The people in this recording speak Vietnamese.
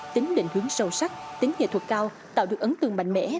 tính định hướng sâu sắc tính nghệ thuật cao tạo được ấn tượng mạnh mẽ